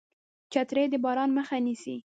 چترۍ د باران مخه نیسي